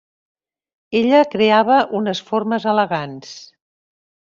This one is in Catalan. Ella creava unes formes elegants.